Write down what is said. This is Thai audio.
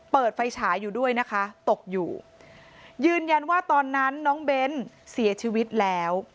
เปิดไฟฉายอยู่ด้วยนะคะตกอยู่ยืนยันว่าตอนนั้นน้องเบ้นเสียชีวิตแล้ว